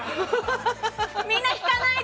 みんな、引かないで！